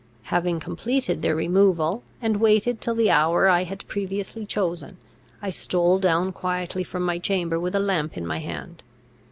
Having completed their removal, and waited till the hour I had previously chosen, I stole down quietly from my chamber with a lamp in my hand.